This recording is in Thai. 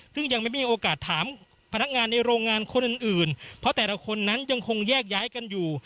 ซึ่งยังไม่มีโอกาสถามพนักงานในโรงงานคนอื่นเพราะแต่ละคนนั้นยังคงแยกย้ายกันอยู่